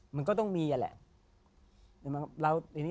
มันก็ต้องมีนั่นแหละ